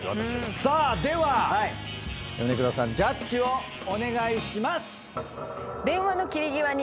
さあでは米倉さんジャッジをお願いします。